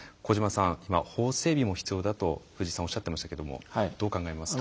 さん今法整備も必要だと藤井さんおっしゃってましたけどもどう考えますか？